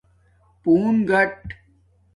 پُون گاٹ